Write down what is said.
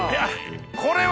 これは！